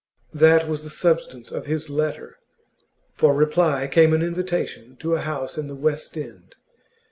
That was the substance of his letter. For reply came an invitation to a house in the West end.